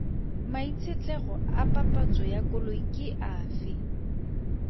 Maitshetlego a papatso ya koloi ke afe?